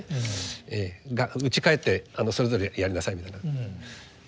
うち帰ってそれぞれやりなさいみたいな。